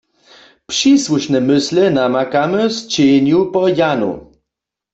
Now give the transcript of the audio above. Přisłušne mysle namakamy w sćenju po Janu.